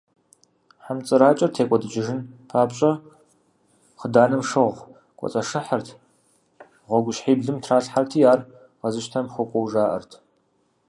Хьэмцӏыракӏэр текӏуэдыкӏыжын папщӏэ, хъыданым шыгъу кӏуэцӏашыхьырт, гъуэгущхьиблым тралъхьэрти, ар къэзыщтэм хуэкӏуэу жаӏэрт.